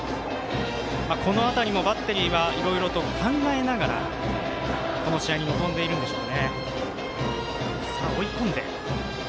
この辺りもバッテリーはいろいろと考えながらこの試合に臨んでいるんでしょう。